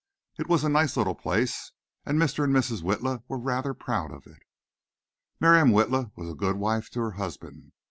It was a nice little place, and Mr. and Mrs. Witla were rather proud of it. Miriam Witla was a good wife to her husband.